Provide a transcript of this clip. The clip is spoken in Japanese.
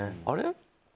あれ？